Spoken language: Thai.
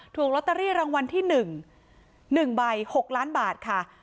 ถูกลอตเตอรี่รางวัลที่๑๑ใบ๖ล้านบาทค่ะ